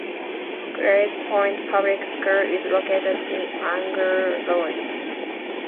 Grays Point Public School is located in Angle Road.